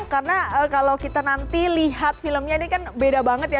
karena kalau kita nanti lihat filmnya ini kan beda banget ya